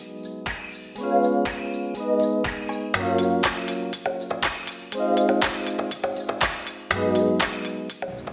kalau kita lihat